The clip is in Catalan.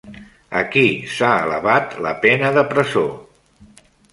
A qui s'ha elevat la pena de presó?